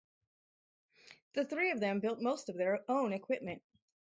The three of them built most of their own equipment.